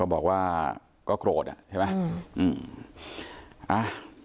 บอกว่าก็โกรธอะ